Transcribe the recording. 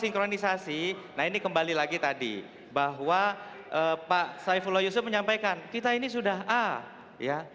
sinkronisasi nah ini kembali lagi tadi bahwa pak saifullah yusuf menyampaikan kita ini sudah a ya